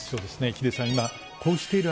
ヒデさん、今、こうしている